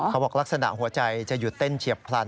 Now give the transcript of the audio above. เขาบอกลักษณะหัวใจจะหยุดเต้นเฉียบพลัน